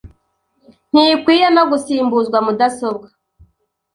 ntikwiye no gusimbuzwa mudasobwa